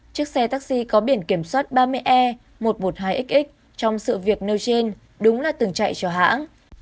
chiếc xe taxi có biển kiểm soát ba mươi e một trăm một mươi hai x trong sự việc nêu trên đúng là từng chạy cho hãng